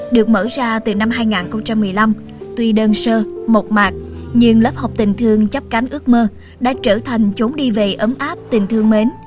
được mở ra từ năm hai nghìn một mươi năm tuy đơn sơ mộc mạc nhưng lớp học tình thương chấp cánh ước mơ đã trở thành chốn đi về ấm áp tình thương mến